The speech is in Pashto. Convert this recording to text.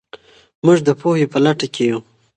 موږ د پوهې په لټه کې یو.